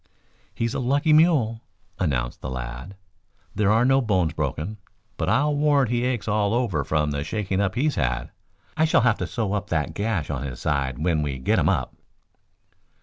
"He's a lucky mule," announced the lad. "There are no bones broken, but I'll warrant he aches all over from the shaking up he has had. I shall have to sew up that gash on his side when we get him up."